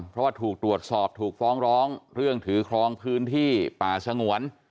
เพราะว่าถูกตรวจสอบถูกฟ้องร้องเรื่องถือครองพื้นที่ป่าสงวน